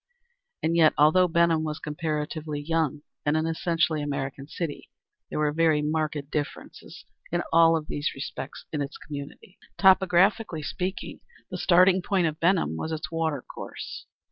And yet, although Benham was a comparatively young and an essentially American city, there were very marked differences in all these respects in its community. Topographically speaking the starting point of Benham was its water course.